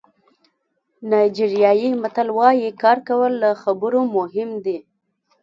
نایجیریايي متل وایي کار کول له خبرو مهم دي.